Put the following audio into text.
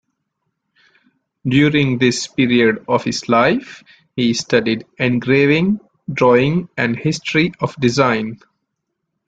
During this period of his life he studied engraving, drawing and history of design.